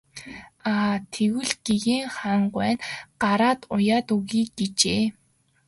Аа тэгвэл гэгээн хаан гуай нь гараад уяад өгье гэжээ.